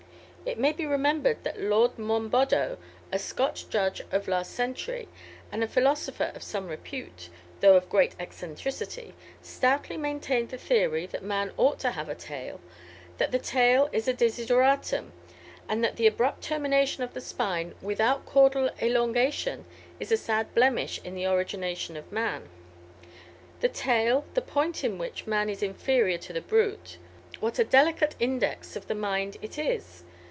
It may be remembered that Lord Monboddo, a Scotch judge of last century, and a philosopher of some repute, though of great eccentricity, stoutly maintained the theory that man ought to have a tail, that the tail is a desideratum, and that the abrupt termination of the spine without caudal elongation is a sad blemish in the origination of man. The tail, the point in which man is inferior to the brute, what a delicate index of the mind it is!